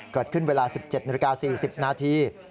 เกิดขึ้นเวลา๑๗น๔๐นาที